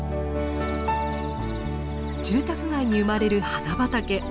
住宅街に生まれる花畑。